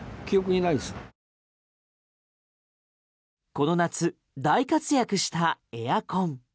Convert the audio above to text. この夏、大活躍したエアコン。